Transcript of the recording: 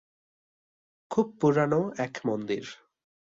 খুব পুরানো এক মন্দির।